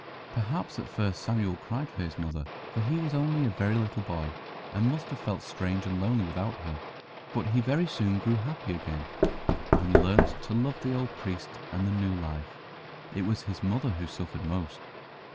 Perhaps at first Samuel cried for his mother, for he was only a very little boy, and must have felt strange and lonely without her; but he very soon grew happy again, and learnt to love the old priest and the new life. It was his mother who suffered most.